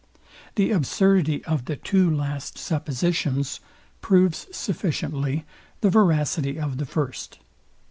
The absurdity of the two last suppositions proves sufficiently the veracity of the first.